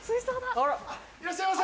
・いらっしゃいませ・